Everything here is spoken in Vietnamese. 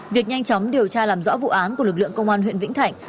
việc nhanh chóng điều tra làm rõ vụ án của lực lượng công an huyện vĩnh thạnh